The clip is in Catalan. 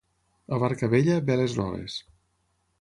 A barca vella, veles noves.